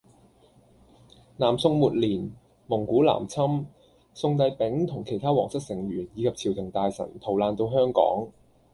南宋末年，蒙古南侵，宋帝昺同其它皇室成員以及朝廷大臣逃難到香港